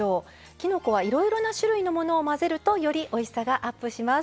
きのこはいろいろな種類のものを混ぜるとよりおいしさがアップします。